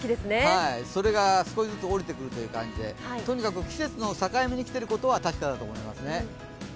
それが少しずつ下りてくるという感じでとにかく季節の境目に来ていることは確かだと思いますね。